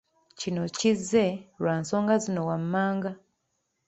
Kino kizze lwansonga zino wammanga;